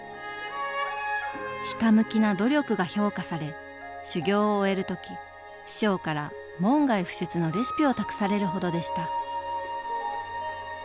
ひたむきな努力が評価され修業を終える時師匠から門外不出のレシピを託されるほどでした。